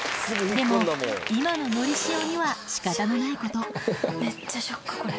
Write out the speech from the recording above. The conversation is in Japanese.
でも今ののりしおには仕方のないことめっちゃショックこれ。